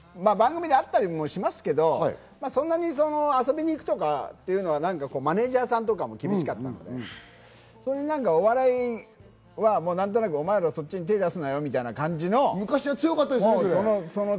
番組で会ったりもしますけど、そんなに遊びに行くとか、マネジャーさんとかも厳しかったので、お笑いはなんとなく、手を出すなよみたいな感じです。